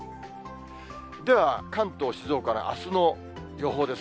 では関東、静岡のあすの予報です。